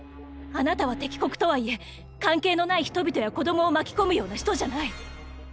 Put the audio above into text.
あなたは敵国とはいえ関係のない人々や子供を巻き込むような人じゃない。